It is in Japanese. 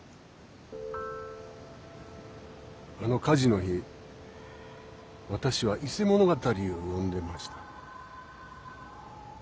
あの火事の日私は「伊勢物語」を読んでました。